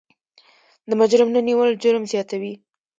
د مجرم نه نیول جرم زیاتوي.